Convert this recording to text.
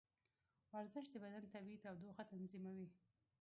ورزش د بدن طبیعي تودوخه تنظیموي.